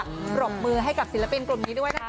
ปรบมือให้กับศิลปินกลุ่มนี้ด้วยนะคะ